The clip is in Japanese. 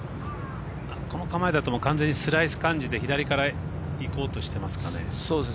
この構えだと完全にスライス感じで左からいこうとしてますかね。